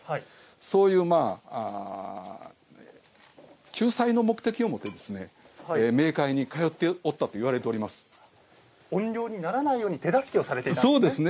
そういう救済の目的を持って冥界に通っておったと怨霊にならないように手助けをされていたんですね。